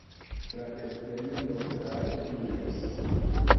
La delfeno neŭtrale juĝos.